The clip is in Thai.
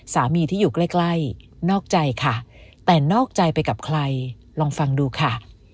สามีที่อยู่ใกล้ใกล้นอกใจค่ะแต่นอกใจไปกับใครลองฟังดูค่ะ